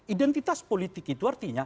identitas politik itu artinya